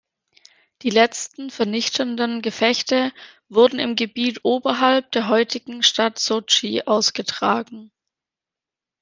Die letzten, vernichtenden Gefechte wurden im Gebiet oberhalb der heutigen Stadt Sotschi ausgetragen.